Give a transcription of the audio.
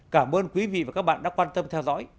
cảm ơn quý vị và các bạn đã quan tâm theo dõi